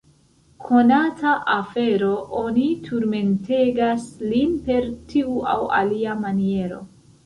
Konata afero, oni turmentegas lin per tiu aŭ alia maniero.